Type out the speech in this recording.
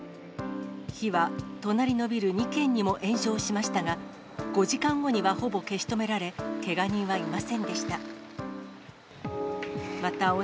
火は隣のビル２軒にも延焼しましたが、５時間後にはほぼ消し止められ、けが人はいませんでした。